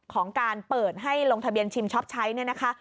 ของการเปิดให้ลงทะเบียนชิมช็อปใช้เนี่ยนะคะ